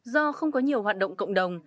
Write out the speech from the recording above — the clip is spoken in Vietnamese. do không có nhiều hoạt động cộng đồng